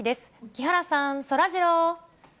木原さん、そらジロー。